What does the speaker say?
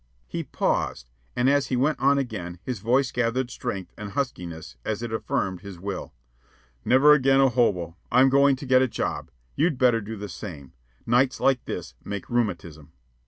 He paused, and, as he went on again, his voice gathered strength and huskiness as it affirmed his will. "Never again a hobo. I'm going to get a job. You'd better do the same. Nights like this make rheumatism."